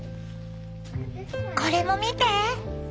これも見て。